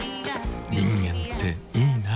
人間っていいナ。